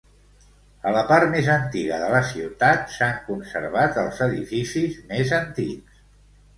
A la part més antiga de la ciutat s'han conservat els edificis més antics.